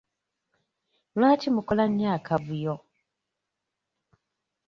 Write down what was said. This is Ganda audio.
Lwaki mukola nnyo akavuyo?